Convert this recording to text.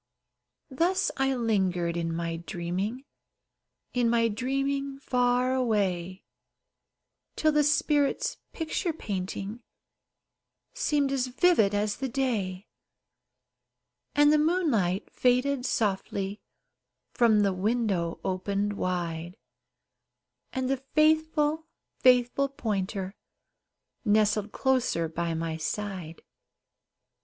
Thus I lingered in my dreaming, In my dreaming far away, Till the spirit's picture painting Seemed as vivid as the day; And the moonlight faded softly From the window opened wide, And the faithful, faithful pointer Nestled closer by my side.